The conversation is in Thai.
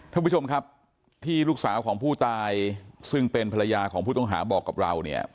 ท่านผู้ชมครับที่ลูกสาวของผู้ตายซึ่งเป็นภรรยาของผู้ต้องหาบอกกับเราเนี่ย